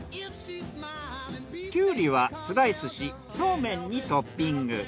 キュウリはスライスしそうめんにトッピング。